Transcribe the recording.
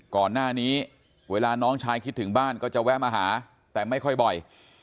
ก่อนหน้านี้เวลาน้องชายคิดถึงบ้านก็จะแวะมาหาแต่ไม่ค่อยบ่อย